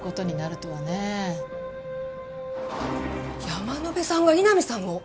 山野辺さんが井波さんを？